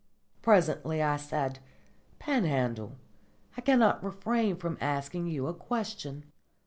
Presently I said, "Panhandle, I cannot refrain from asking you a question.